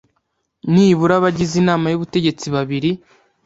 nibura abagize Inama y Ubutegetsi babiri